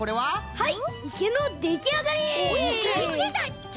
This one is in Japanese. はい。